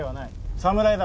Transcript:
侍だ。